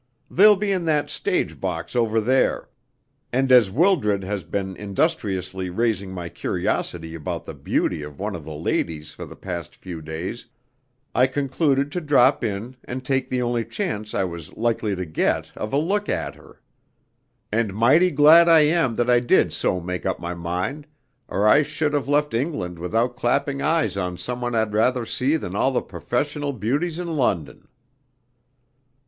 They'll be in that stage box over there, and as Wildred has been industriously raising my curiosity about the beauty of one of the ladies for the past few days, I concluded to drop in and take the only chance I was likely to get of a look at her. And mighty glad I am that I did so make up my mind, or I should have left England without clapping eyes on someone I'd rather see than all the professional beauties in London."